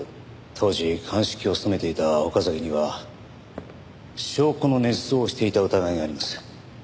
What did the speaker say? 当時鑑識を務めていた岡崎には証拠の捏造をしていた疑いがあります。